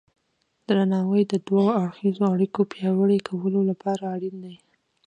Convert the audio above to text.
درناوی د دوه اړخیزو اړیکو پیاوړي کولو لپاره اړین دی.